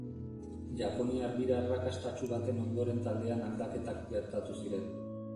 Japoniar bira arrakastatsu baten ondoren taldean aldaketak gertatu ziren.